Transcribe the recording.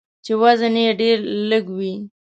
چې وزن یې ډیر لږوي.